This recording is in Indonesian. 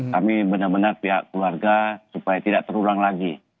kami benar benar pihak keluarga supaya tidak terulang lagi